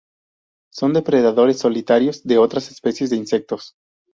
Son depredadores solitarios de otras especies de insectos.